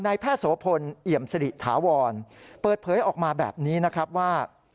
แพทย์โสพลเอี่ยมสิริถาวรเปิดเผยออกมาแบบนี้นะครับว่า